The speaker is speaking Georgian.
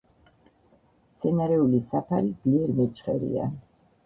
მცენარეული საფარი ძლიერ მეჩხერია.